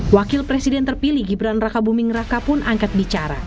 wakil presiden terpilih gibran raka buming raka pun angkat bicara